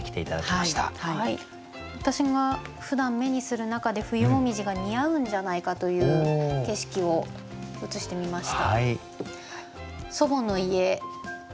私がふだん目にする中で冬紅葉が似合うんじゃないかという景色を写してみました。